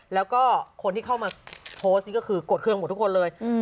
แล้วก็คนที่เข้ามาโพสต์นี่ก็คือกดเครื่องหมดทุกคนเลย